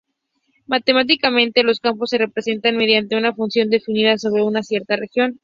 Matemáticamente, los campos se representan mediante una función definida sobre una cierta región.